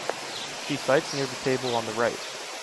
She sites near the table on the right.